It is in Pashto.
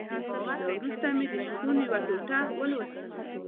بيا وروسته مې د شپون يوه ټوټه ولوستله.